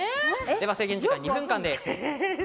制限時間は２分間です。